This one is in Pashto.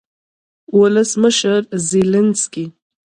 ولسمشرزیلینسکي